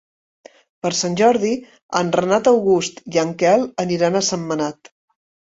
Per Sant Jordi en Renat August i en Quel aniran a Sentmenat.